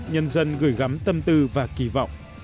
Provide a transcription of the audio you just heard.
nhân dân gửi gắm tâm tư và kỳ vọng